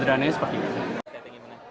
dan aplikasi khusus